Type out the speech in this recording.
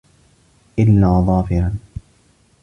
إلَّا ظَافِرًا